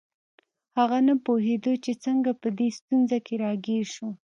هغه نه پوهیده چې څنګه په دې ستونزه کې راګیر شو